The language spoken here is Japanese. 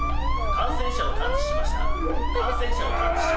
感染者を探知しました。